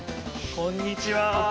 こんにちは。